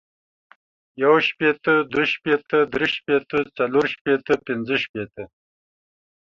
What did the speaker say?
يو شپيته ، دوه شپيته ،دري شپیته ، څلور شپيته ، پنځه شپيته،